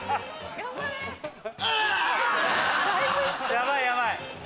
ヤバいヤバい。